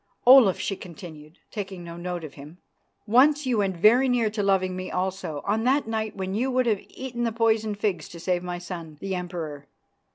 "Olaf," she continued, taking no note of him, "once you went very near to loving me also, on that night when you would have eaten the poisoned figs to save my son, the Emperor.